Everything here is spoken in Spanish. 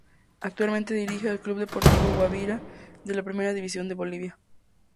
Actualmente dirige al Club Deportivo Guabirá de la Primera División de Bolivia.